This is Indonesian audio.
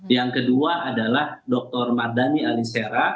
yang kedua adalah dr mardhani alisera